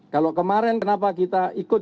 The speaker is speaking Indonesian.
kalau kemarin kenapa kita ikut